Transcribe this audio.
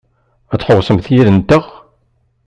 Ad tḥewwsemt yid-nteɣ?